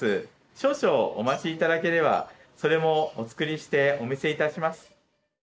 少々お待ちいただければそれもお作りしてお見せいたします。